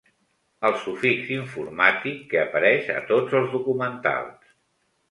El sufix informàtic que apareix a tots els documentals.